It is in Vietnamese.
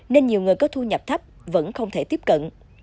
nên nhiều người có thu nhập thấp vẫn không thể tiếp cận